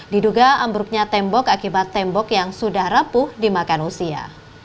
diduga ambruknya tembok akibat tembok yang sudah rapuh dimakan usia